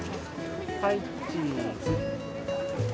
はいチーズ。